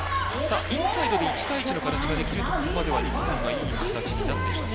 インサイドで１対１の形ができると日本はいい形になってきます。